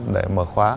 để mở khóa